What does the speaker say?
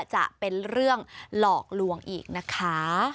จะเป็นเรื่องหลอกลวงอีกนะคะ